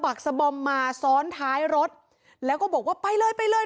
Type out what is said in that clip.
ักสะบอมมาซ้อนท้ายรถแล้วก็บอกว่าไปเลยไปเลย